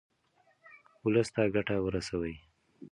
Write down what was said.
ولس ته ګټه ورسوئ.